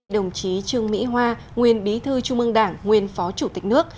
đồng chí trương mỹ hoa nguyên bí thư chung mương đảng nguyên phó chủ tịch nước